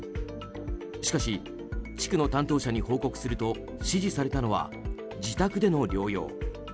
しかし地区の担当者に報告すると指示されたのは自宅での療養。